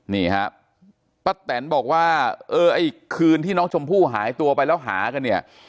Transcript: นี่ฮะป้าแตนบอกว่าเออไอ้คืนที่น้องชมพู่หายตัวไปแล้วหากันเนี่ย